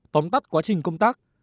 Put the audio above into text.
tóm tắt quá trình công tác